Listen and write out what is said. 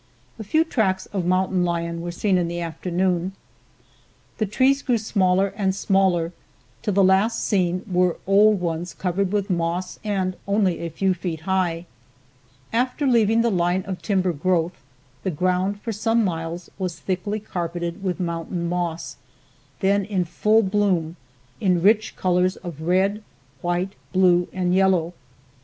A few tracks of Mountain lion were seen in the afternoon. The trees grew smaller and smaller till the last seen were old ones covered with moss and only a few feet high. After leaving the line of timber growth, the ground for some miles was thickly carpeted with mountain moss, then in full bloom in rich colors of red, white, blue and yellow.